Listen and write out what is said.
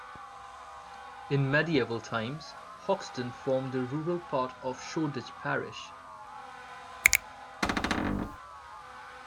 In medieval times, Hoxton formed a rural part of Shoreditch parish.